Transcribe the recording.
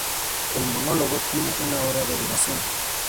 El monólogo tiene una hora de duración.